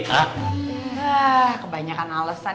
hah kebanyakan alesan